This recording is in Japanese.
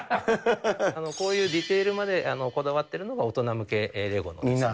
こういうディテールまでこだわってるのが、大人向けレゴですね。